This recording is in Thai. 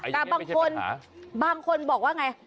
แต่บางคนบอกว่าไง